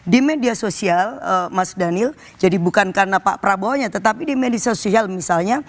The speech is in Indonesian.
di media sosial mas daniel jadi bukan karena pak prabowo nya tetapi di media sosial misalnya